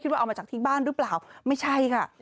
ว่าเอามาจากที่บ้านหรือเปล่าไม่ใช่ค่ะ